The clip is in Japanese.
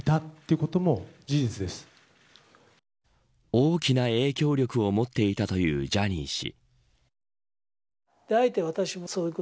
大きな影響力を持っていたというジャニー氏。